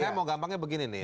saya mau gampangnya begini nih